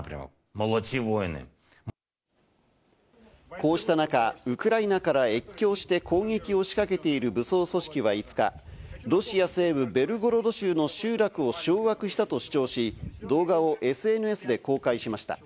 こうした中、ウクライナから越境して攻撃を仕掛けている武装組織は５日、ロシア西部ベルゴロド州の集落を掌握したと主張し、動画をＳＮＳで公開しました。